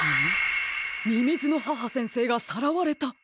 みみずの母先生がさらわれた！？